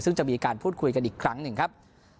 ซึ่งจะมีการพูดคุยกันอีกครั้งหนึ่งครับ